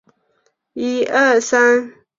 日本近江坂田郡人。